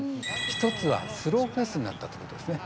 一つはスローペースになったってことですね。